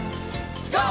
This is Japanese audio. ＧＯ！